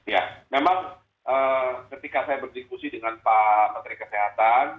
ya memang ketika saya berdiskusi dengan pak menteri kesehatan